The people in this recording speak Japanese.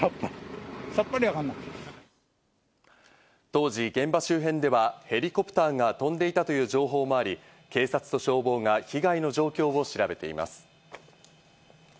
当時、現場周辺ではヘリコプターが飛んでいたという情報もあり、警察と消防が被害の状況を調べています。